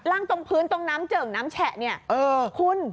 ตรงพื้นตรงน้ำเจิ่งน้ำแฉะเนี่ยคุณ